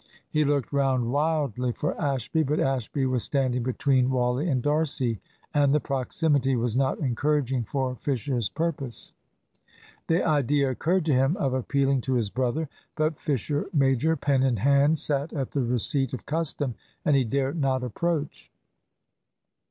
He looked round wildly for Ashby, but Ashby was standing between Wally and D'Arcy, and the proximity was not encouraging for Fisher's purpose. The idea occurred to him of appealing to his brother. But Fisher major, pen in hand, sat at the receipt of custom, and he dare not approach).